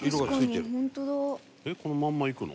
このまんまいくの？